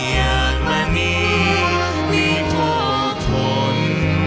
อยากมามีโทษทน